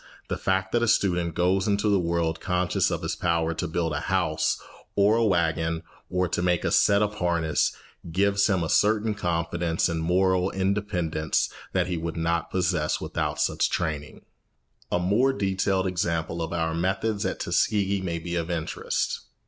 The fact that a student goes into the world conscious of his power to build a house or a wagon or to make a set of harness gives him a certain confidence and moral independence that he would not possess without such training. A more detailed example of our methods at Tuskegee may be of interest.